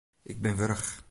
Ik bin wurch.